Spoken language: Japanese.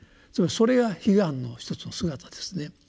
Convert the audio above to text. それが「悲願」の一つの姿ですね。